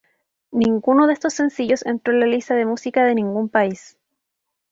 Ninguno de estos sencillos entró en la lista de música de ningún país.